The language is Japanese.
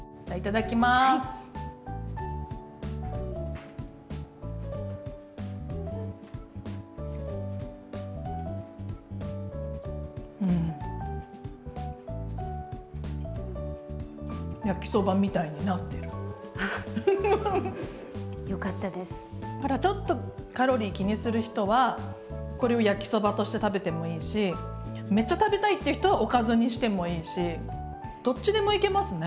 だからちょっとカロリー気にする人はこれを焼きそばとして食べてもいいしめっちゃ食べたいっていう人はおかずにしてもいいしどっちでもいけますね。